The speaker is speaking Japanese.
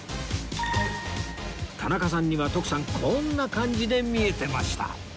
田中さんには徳さんこんな感じで見えてました